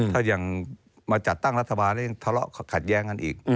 ถ้ายังมาจัดตั้งรัฐบาลแล้วยังทะเลาะขัดแย้งกันอีก